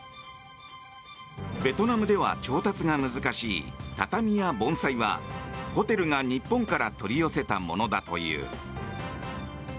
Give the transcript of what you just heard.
ベトナムでは調達が難しい畳や盆栽はホテルが日本から取り寄せたものだという。